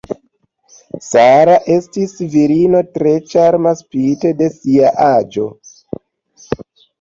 Sara estis virino tre ĉarma spite de sia aĝo.